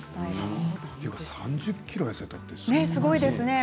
３０ｋｇ痩せたってすごいよね。